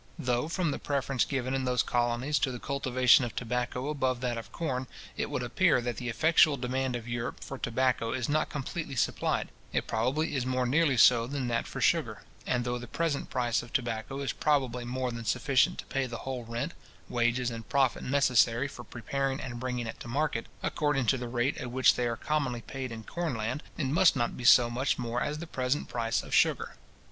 Though, from the preference given in those colonies to the cultivation of tobacco above that of corn, it would appear that the effectual demand of Europe for tobacco is not completely supplied, it probably is more nearly so than that for sugar; and though the present price of tobacco is probably more than sufficient to pay the whole rent, wages, and profit, necessary for preparing and bringing it to market, according to the rate at which they are commonly paid in corn land, it must not be so much more as the present price of sugar.